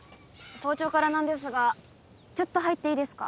早朝から何ですがちょっと入っていいですか？